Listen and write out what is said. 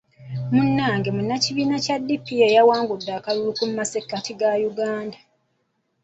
Munnange munnakibiina kya DP y'awangudde akalulu k'amasekkati ga Uganda.